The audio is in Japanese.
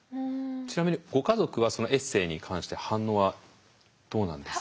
ちなみにご家族はそのエッセーに関して反応はどうなんですか？